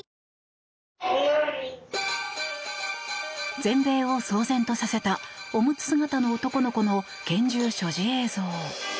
全米を騒然とさせたおむつ姿の男の子の拳銃所持映像。